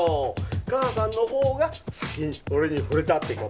母さんのほうが先に俺に惚れたって事。